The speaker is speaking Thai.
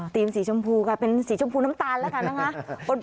ธีมสีชมพูกลายเป็นสีชมพูน้ำตาลแล้วกันนะครับ